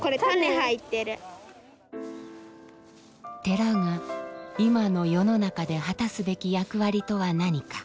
寺が今の世の中で果たすべき役割とは何か？